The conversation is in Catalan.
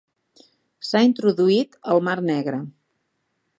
S'ha introduït al Mar Negre.